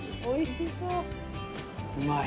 おいしそう。